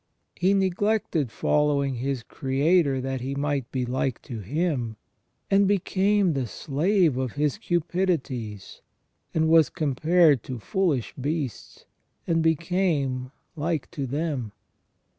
He neglected following his Creator that he might be like to Him, and became the slave of his cupidities, and was compared to foolish beasts, and became like to them.